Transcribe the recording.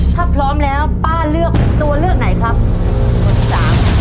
ถ้าพร้อมแล้วป้าเลือกตัวเลือกไหนครับตัวที่สาม